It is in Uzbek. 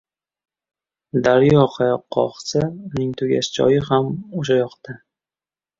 • Daryo qayoqqa oqsa, uning tugash joyi ham o‘sha yoqda.